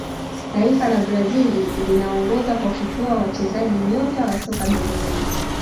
taifa la brazil linaongoza kwa kutoa wachezaji nyota wa soka duniani